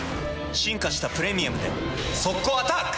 進化した「プレミアム」で速攻アタック！